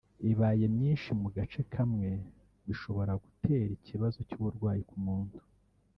ibaye myinshi mu gace kamwe bishobora gutera ikibazo cy’uburwayi ku muntu